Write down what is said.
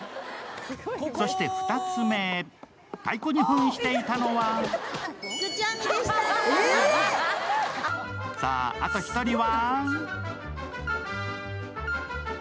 そして２つ目、太鼓に扮していたのはさぁ、あと１人は？